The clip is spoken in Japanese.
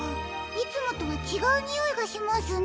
いつもとはちがうにおいがしますね。